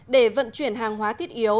để vận chuyển hàng hóa thiết yếu